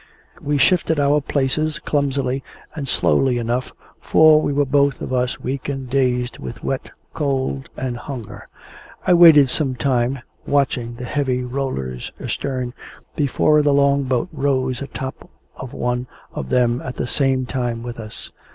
We shifted our places, clumsily and slowly enough, for we were both of us weak and dazed with wet, cold, and hunger. I waited some time, watching the heavy rollers astern, before the Long boat rose a top of one of them at the same time with us.